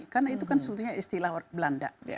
karena itu kan sebetulnya istilah belanda